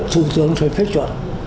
sử dụng phép chuẩn